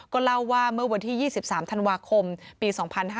ก็เล่าว่าเมื่อวันที่๒๓ธันวาคมปี๒๕๕๙